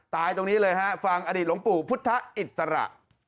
ตรงนี้เลยฮะฟังอดีตหลวงปู่พุทธอิสระ